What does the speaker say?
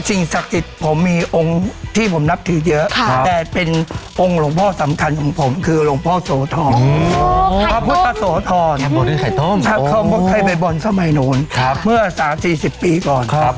ศักดิ์สิทธิ์ผมมีองค์ที่ผมนับถือเยอะแต่เป็นองค์หลวงพ่อสำคัญของผมคือหลวงพ่อโสธรพระพุทธโสธรด้วยไข่ต้มเคยไปบนสมัยหนูเมื่อ๓๔๐ปีก่อนครับ